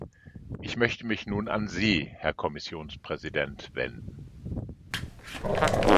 Ich möchte mich nun an Sie, Herr Kommissionspräsident, wenden.